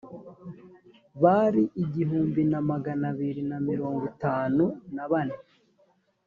bari igihumbi na magana abiri na mirongo itanu na bane